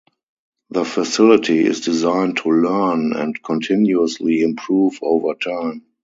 The facility is designed to "learn"-and continuously improve-over time.